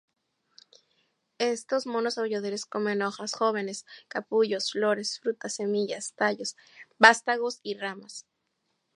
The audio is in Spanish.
Estos monos aulladores comen hojas jóvenes, capullos, flores, frutas, semillas, tallos, vástagos y ramas.